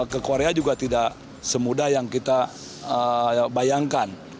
ke korea juga tidak semudah yang kita bayangkan